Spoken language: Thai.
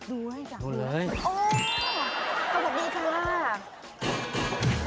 นี่หนูอยากดูเลยค่ะโอ้โฮเขาบอกดีค่ะโอ้โฮรับ